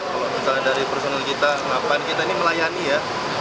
kalau misalnya dari personel kita pan kita ini melayani ya